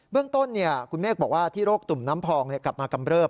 เรื่องต้นคุณเมฆบอกว่าที่โรคตุ่มน้ำพองกลับมากำเริบ